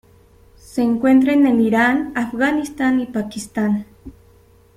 Se encuentra en el Irán, Afganistán y Pakistán.